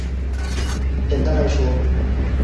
简单来说